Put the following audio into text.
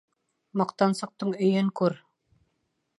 Маҡтансыҡтың өйөн күр.